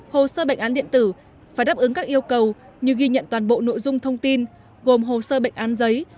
hồ sơ bệnh án điện tử phải đáp ứng các yêu cầu như ghi nhận toàn bộ nội dung thông tin gồm hồ sơ bệnh án giấy